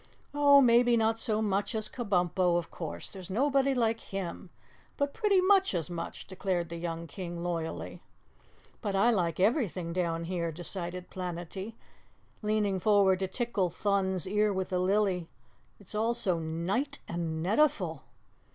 "Oh, maybe not so much as Kabumpo; of course, there's nobody like HIM but pretty much as much," declared the young King loyally. "But I like everything down here," decided Planetty, leaning forward to tickle Thun's ear with the lily. "It's all so nite and netiful."